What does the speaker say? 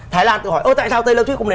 thái lan tự hỏi ơ tại sao taylor swift